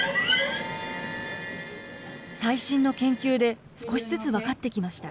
最新の研究で、少しずつ分かってきました。